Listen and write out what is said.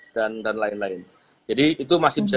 dan lain lain jadi itu masih bisa